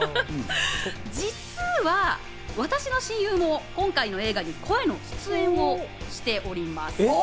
実は、私の親友も今回の映画に声の出演をしております。